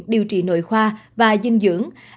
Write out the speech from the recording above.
điều trị nội khoa và dinh dưỡng